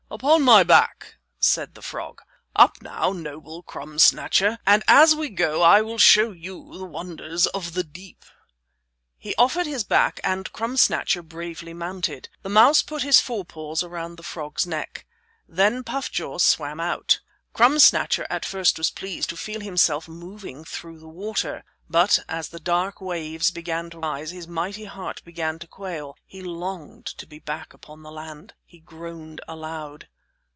"Upon my back," said the frog. "Up now, noble Crumb Snatcher. And as we go I will show you the wonders of the deep." He offered his back and Crumb Snatcher bravely mounted. The mouse put his forepaws around the frog's neck. Then Puff jaw swam out. Crumb Snatcher at first was pleased to feel himself moving through the water. But as the dark waves began to rise his mighty heart began to quail. He longed to be back upon the land. He groaned aloud.